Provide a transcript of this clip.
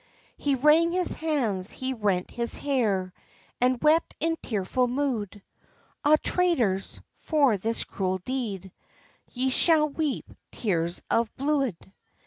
[He wrang his hands, he rent his hair, And wept in tearful mood; "Ah, traitors! for this cruel deed, Ye shall weep tears of bluid."